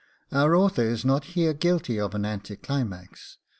Our author is not here guilty of an anti climax.